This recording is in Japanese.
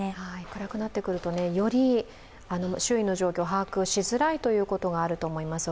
暗くなってくると、より周囲の状況を把握しづらいということがあると思います。